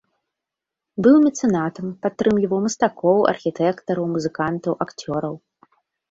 Быў мецэнатам, падтрымліваў мастакоў, архітэктараў, музыкантаў, акцёраў.